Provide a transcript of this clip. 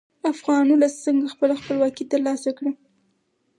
افغان ولس څنګه خپله خپلواکي تر لاسه کړه؟